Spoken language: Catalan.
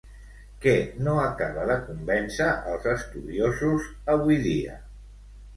Què no acaba de convèncer els estudiosos avui dia?